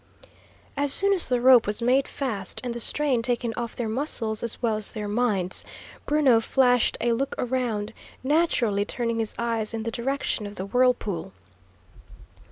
As soon as the rope was made fast, and the strain taken off their muscles as well as their minds, Bruno flashed a look around, naturally turning his eyes in the direction of the whirlpool.